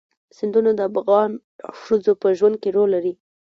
سیندونه د افغان ښځو په ژوند کې رول لري.